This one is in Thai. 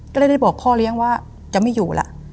ก็เลยได้บอกพ่อเลี้ยงว่าจะไม่อยู่ล่ะ